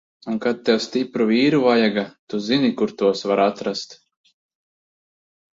Un kad tev stipru vīru vajaga, tu zini, kur tos var atrast!